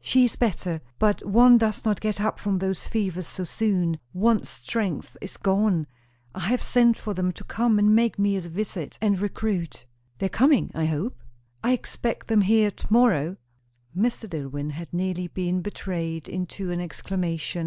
"She is better. But one does not get up from those fevers so soon. One's strength is gone. I have sent for them to come and make me a visit and recruit." "They are coming, I hope?" "I expect them here to morrow." Mr. Dillwyn had nearly been betrayed into an exclamation.